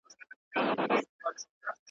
پاچا او ګدا.